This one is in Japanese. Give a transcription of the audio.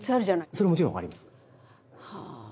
それはもちろん分かります。